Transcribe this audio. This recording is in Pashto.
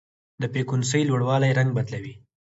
د فریکونسۍ لوړوالی رنګ بدلوي.